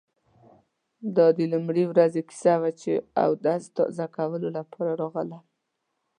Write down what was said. دا د لومړۍ ورځې کیسه وه چې اودس تازه کولو لپاره راغلم.